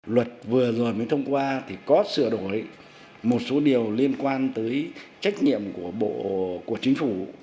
luật vừa rồi mới thông qua thì có sửa đổi một số điều liên quan tới trách nhiệm của bộ chính phủ